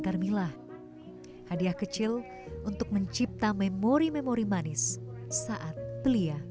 carmilla hadiah kecil untuk mencipta memori memori manis saat belia